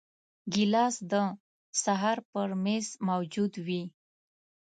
ګیلاس د سهار پر میز موجود وي.